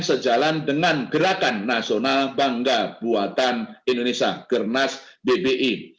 sejalan dengan gerakan nasional bangga buatan indonesia gernas bbi